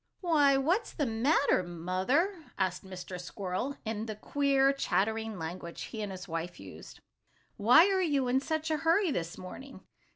"Why, what's the matter, Mother?" asked Mr. Squirrel, in the queer, chattering language he and his wife used. "Why are you in such a hurry this morning?